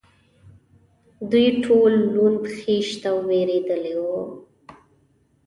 دوی ټول لوند، خېشت او وېرېدلي و.